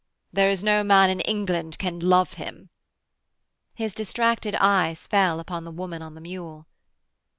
'There is no man in England can love him.' His distracted eyes fell upon the woman on the mule.